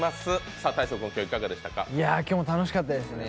今日も楽しかったですね。